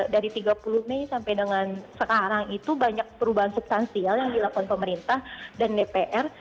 dari tiga puluh mei sampai dengan sekarang itu banyak perubahan substansial yang dilakukan pemerintah dan dpr